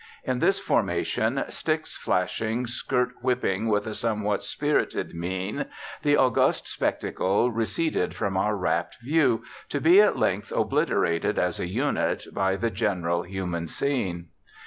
In this formation, sticks flashing, skirt whipping, with a somewhat spirited mien, the august spectacle receded from our rapt view, to be at length obliterated as a unit by the general human scene.